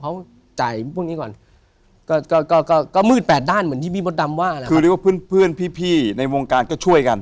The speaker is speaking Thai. เขาจ่ายพวกนี้ก่อนก็ก็ก็มืดแปดด้านเหมือนที่พี่มดดำว่าแหละคือเรียกว่าเพื่อนเพื่อนพี่พี่ในวงการก็ช่วยกัน